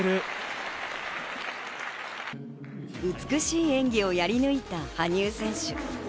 美しい演技をやり抜いた羽生選手。